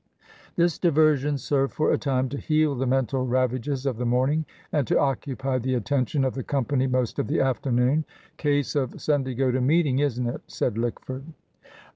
This diversion served for a time to heal the mental ravages of the morning, and to occupy the attention of the company most of the afternoon. "Case of Sunday go to meeting, isn't it?" said lickford.